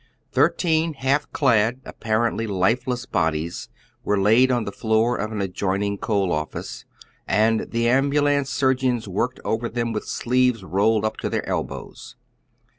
Thirteen half clad, apparently lifeless bodies were laid on the floor of an adjoining coal offlce, and the ambulance surgeons worked over them with sleeves I'olled up to the elbows.